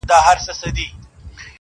د مینو درد غزل سي یا ټپه سي,